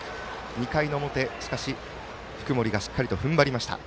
２回の表、福盛がしっかりとふんばりました。